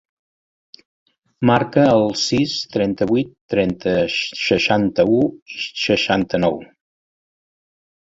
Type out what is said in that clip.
Marca el sis, trenta-vuit, trenta, seixanta-u, seixanta-nou.